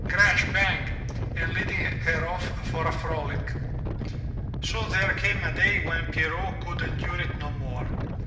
Crash bang! and leading her off for a frolic. So there came a day when Pierrot could endure it no more.